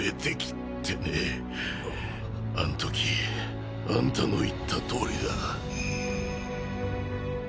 あんときあんたの言ったとおりだ。